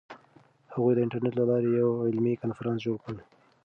هغوی د انټرنیټ له لارې یو علمي کنفرانس جوړ کړ.